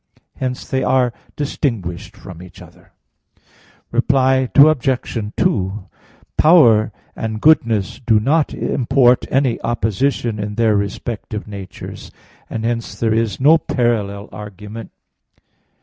Hence they are distinguished from each other. Reply Obj. 2: Power and goodness do not import any opposition in their respective natures; and hence there is no parallel argument.